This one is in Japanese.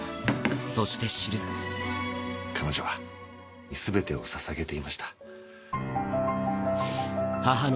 そして知る彼女は全てをささげていました。